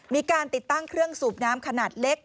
มีการติดตั้งเครื่องสูบน้ำขนาดเล็ก